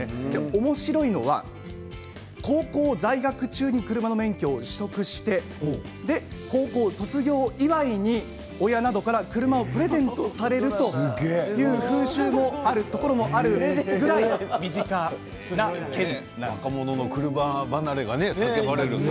おもしろいのは高校在学中に車の免許を取得して高校卒業祝いに親などから車をプレゼントされるという風習もあるところもあるぐらい身近な県なんです。